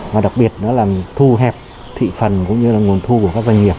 và đặc biệt nó làm thu hẹp thị phần cũng như là nguồn thu của các doanh nghiệp